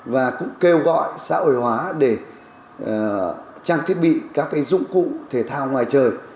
và cũng kêu gọi xã hội hóa để trang thiết bị các dụng cụ thể thao ngoài trời